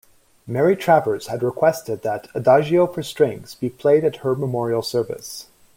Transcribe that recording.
Mary Travers had requested that "Adagio for Strings" be played at her memorial service.